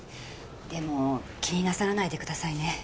でも気になさらないでくださいね。